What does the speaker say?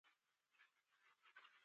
د فراه خلک په کرهنه او تجارت کې مخ ته دي